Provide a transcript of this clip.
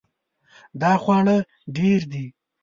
دا خواړه ډیر دي